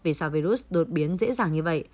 vì sao virus đột biến dễ dàng như vậy